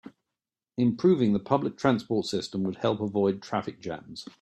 Improving the public transport system would help avoid traffic jams.